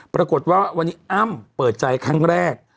ปรากฏว่าวันนี้อ้ำเปิดใจครั้งแรก